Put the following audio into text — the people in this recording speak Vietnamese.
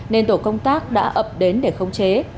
nên tổ công tác đã ập đến để khống chế